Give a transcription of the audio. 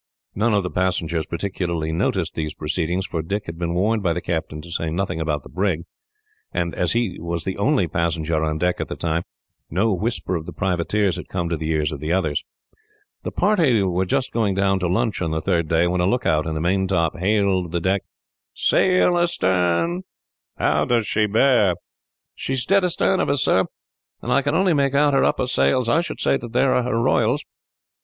None of the passengers particularly noticed these proceedings, for Dick had been warned by the captain to say nothing about the brig; and as he was the only passenger on deck at the time, no whisper of the privateers had come to the ears of the others. The party were just going down to lunch, on the third day, when a lookout in the maintop hailed the deck: "A sail astern." "How does she bear?" "She is dead astern of us, sir, and I can only make out her upper sails. I should say that they are her royals."